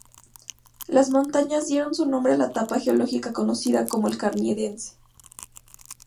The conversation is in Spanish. Las montañas dieron su nombre a la etapa geológica conocida como el Carniense.